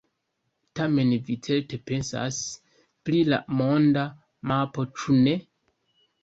Tamen vi certe pensas pri la monda mapo, ĉu ne?